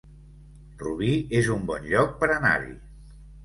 Rubí es un bon lloc per anar-hi